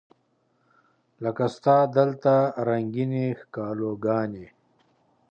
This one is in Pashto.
لکه ستا دلته رنګینې ښکالو ګانې